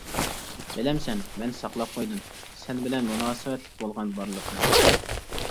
بىلەمسەن، مەن ساقلاپ قويدۇم، سەن بىلەن مۇناسىۋەتلىك بولغان بارلىقنى.